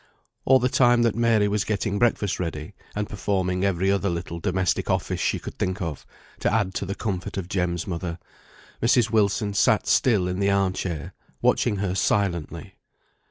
All the time that Mary was getting breakfast ready, and performing every other little domestic office she could think of, to add to the comfort of Jem's mother, Mrs. Wilson sat still in the arm chair, watching her silently.